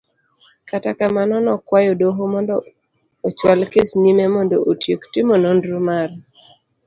Kata kamano nokwayo doho mondo ochwal kes nyime mondo otiek timo nonro mare.